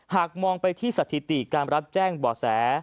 หากมองไปที่สถิติการรับแจ้งบ่อแส